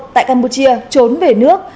tại campuchia trốn về nước